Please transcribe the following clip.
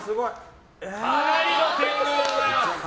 かなりの天狗でございます。